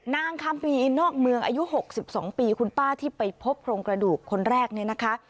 นางคัมปีนอกเมืองอายุ๖๒ปีคุณป้าที่ไปพบโครงกระดูกคนแรกเนี่ยนะคะ